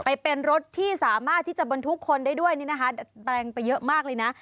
ไปเป็นรถที่สามารถที่จะบรรทุกคนได้ด้วยนี่นะคะแรงไปเยอะมากเลยนะ